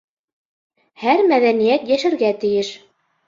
Һәр мәҙәниәт йәшәргә тейеш